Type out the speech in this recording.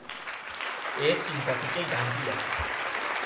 এ চিন্তা থেকেই গানটি লেখা।